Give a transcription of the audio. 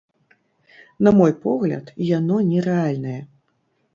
На мой погляд, яно не рэальнае.